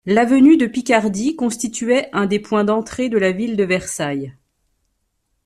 L'avenue de Picardie constituait un des points d'entrée de la ville de Versailles.